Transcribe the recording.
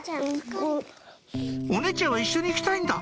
お姉ちゃんは一緒に行きたいんだ